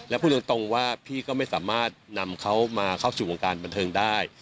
แล้วพูดตรงว่าพี่ก็ไม่สามารถนำเขามาเข้าสู่วงการบันเทิงได้